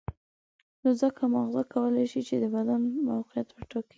نو ځکه ماغزه کولای شي چې د بدن موقعیت وټاکي.